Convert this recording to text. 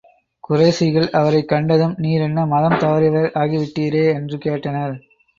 குறைஷிகள் அவரைக் கண்டதும், நீர் என்ன மதம் தவறியவர் ஆகிவிட்டீரே? என்று கேட்டனர்.